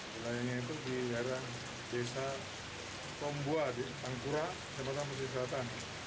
pelayanannya itu di daerah desa tombua di tangkura pesopisi selatan